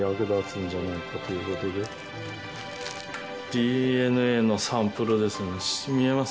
ＤＮＡのサンプルですね見えます？